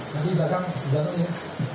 nanti di belakang di belakang ini